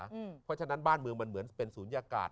เพราะฉะนั้นบ้านเมืองมันเหมือนเป็นศูนยากาศ